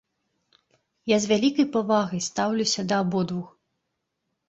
Я з вялікай павагай стаўлюся да абодвух.